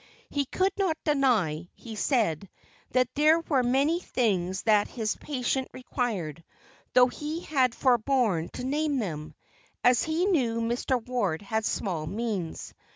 He could not deny, he said, that there were many things that his patient required, though he had forborne to name them, as he knew Mr. Ward had small means.